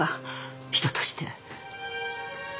人として。